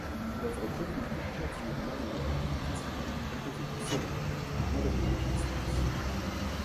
L’œuvre poétique de Curzio de Marignol est principalement composée de sonnets, madrigaux et stances.